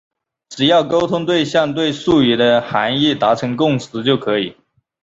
只要沟通对象对术语的含义达成共识就可以。